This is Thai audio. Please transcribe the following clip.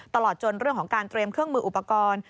ตลอดจนเรื่องของการเตรียมเครื่องมืออุปกรณ์